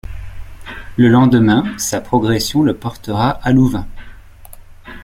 Le lendemain sa progression le portera à Louvain.